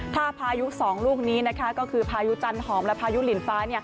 ถ้าพายุ๒ลูกนี้นะคะก็คือพายุจันหอมและพายุลินฟ้า